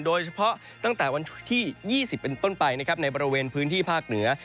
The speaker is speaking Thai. โดยเฉพาะตั้งแต่วันที่๒๐เป็นต้นไปนะครับในบริเวณพื้นที่ภาคเหนือ